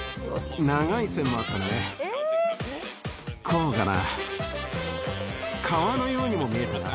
こうかな。